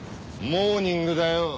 モーニングだよ。